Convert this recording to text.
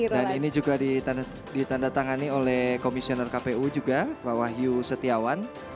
dan ini juga ditandatangani oleh komisioner kpu juga bawah yu setiawan